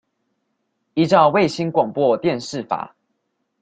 依照衛星廣播電視法